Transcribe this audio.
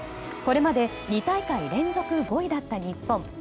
これまで２大会連続５位だった日本。